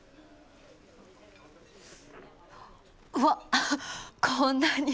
うわこんなに！